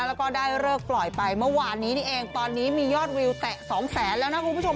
แล้วก็ได้เลิกปล่อยไปเมื่อวานนี้นี่เองตอนนี้มียอดวิวแตะสองแสนแล้วนะคุณผู้ชม